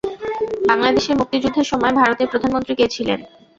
বাংলাদেশের মুক্তিযুদ্ধের সময় ভারতের প্রধানমন্ত্রী কে ছিলেন?